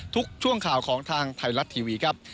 ทุกช่วงข่าวของทางไทยรัฐทีวีครับ